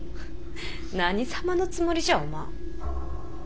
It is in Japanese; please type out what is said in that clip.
何様のつもりじゃお万。